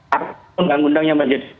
artinya undang undangnya menjadi